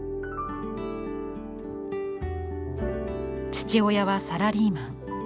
父親はサラリーマン。